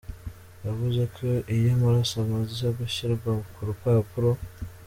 yavuze ko iyo amaraso amaze gushyirwa ku rupapuro.